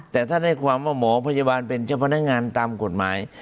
แต่ท่านให้ความว่าหมอพยาบาลเป็นเจ้าพนักงานตามกฎหมาย